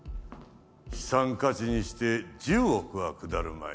資産価値にして１０億は下るまい。